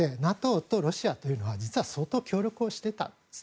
ＮＡＴＯとロシアは実は相当協力をしていたんです。